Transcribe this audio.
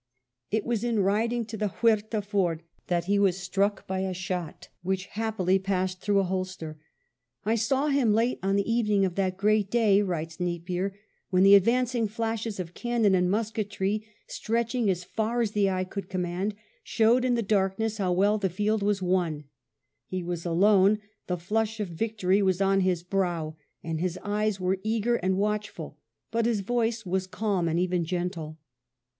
It was in riding to the Huerta ford that he was struck by a shot which VIII ENTERS MADRID 169 happily first passed through a holster. " I saw him late on the evening of that great day," writes Napier, "when the advancing flashes of cannon and musketry, stretching as far as the eye could command, showed, in the darkness, how well the field was won ; he was alone, the flush of victory was on his brow, and his eyes were eager and watchful, but his voice was calm and even gentle."